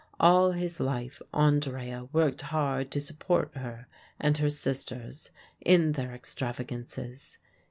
All his life Andrea worked hard to support her and her sisters in their extravagances.